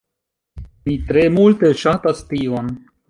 Mi tre multe ŝatas tion.